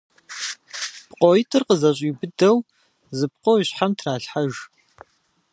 ПкъоитӀыр къызэщӀиубыдэу зы пкъо и щхьэм тралъхьэж.